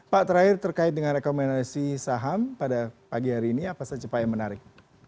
pak terakhir terkait dengan rekomendasi saham pada pagi hari ini apa saja pak yang menarik